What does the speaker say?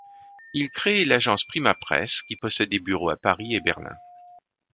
Il crée l'Agence Prima presse, qui possède des bureaux à Paris et Berlin.